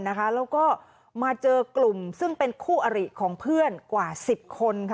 แล้วก็มาเจอกลุ่มซึ่งเป็นคู่อริของเพื่อนกว่า๑๐คน